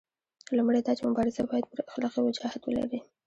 لومړی دا چې مبارزه باید پوره اخلاقي وجاهت ولري.